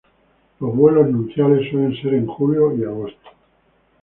Los vuelos nupciales suelen ser en julio y agosto.